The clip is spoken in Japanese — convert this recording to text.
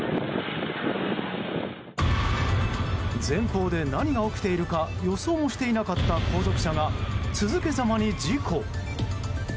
前方で何が起きているか予想もしていなかった後続車が続けざまに事故。